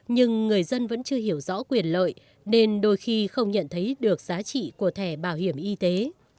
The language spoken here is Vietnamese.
nhưng người dân vẫn chưa hiểu rõ quyền lợi nên đôi khi không nhận thấy được giá trị của thẻ bảo hiểm y tế